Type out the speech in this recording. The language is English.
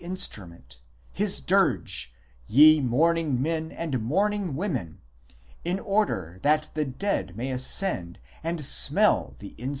8 instrument, his dirge, ye mourning men and mourning women, in order that the dead may ascend and smell the 1 In Hastings Encycl.